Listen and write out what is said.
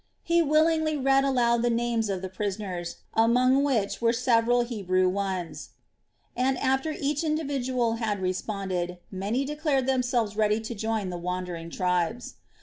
He willingly read aloud the names of the prisoners, among which were several Hebrew ones, and after each individual had responded, many declared themselves ready to join the wandering tribes.